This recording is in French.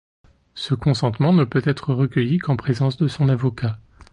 Ce consentement ne peut être recueilli qu'en présence de son avocat.